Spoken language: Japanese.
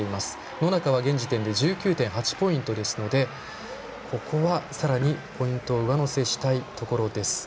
野中は現時点で１９．８ポイントですのでここは、さらにポイントを上乗せしたいところです。